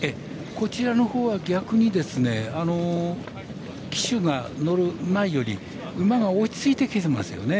こちらのほうは逆に騎手が乗る前より馬が落ち着いてきてますよね。